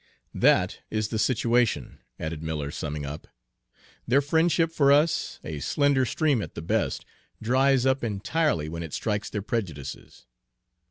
"That is the situation," added Miller, summing up. "Their friendship for us, a slender stream at the best, dries up entirely when it strikes their prejudices.